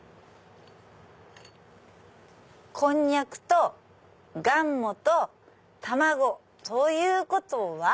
こんにゃくとがんもと卵。ということは？